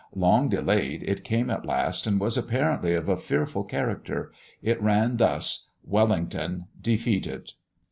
Long delayed, it came at last, and was apparently of a fearful character. It ran thus: "Wellington defeated."